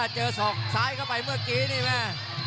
ศอกซ้ายเข้าไปเมื่อกี้นี่แม่